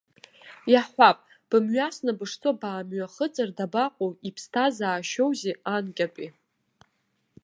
Иаҳҳәап, бымҩасны бышцо баамҩахыҵыр, дабаҟоу, иԥсҭазаашьоузеи анкьатәи.